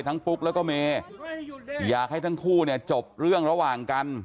ปุ๊กแล้วก็เมย์อยากให้ทั้งคู่เนี่ยจบเรื่องระหว่างกัน